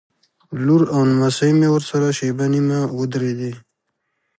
لور او نمسۍ مې ورسره شېبه نیمه ودرېدې.